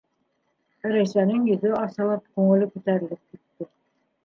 Рәйсәнең йөҙө асылып, күңеле күтәрелеп китте.